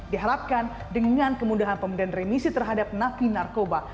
diharapkan dengan kemudahan pemberian remisi terhadap napi narkoba